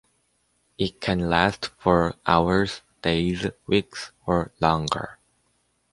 It can last for hours, days, weeks, or longer.